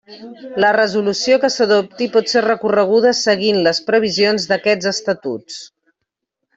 La resolució que s'adopti pot ser recorreguda seguint les previsions d'aquests Estatuts.